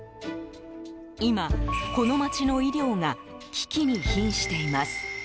今、この町の医療が危機に瀕しています。